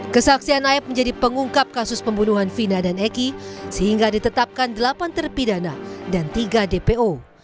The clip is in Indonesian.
kesaksian aep menjadi pengungkap kasus pembunuhan vina dan eki sehingga ditetapkan delapan terpidana dan tiga dpo